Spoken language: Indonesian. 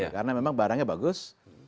karena memang barangnya bagus